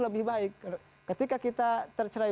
lebih baik ketika kita tercerai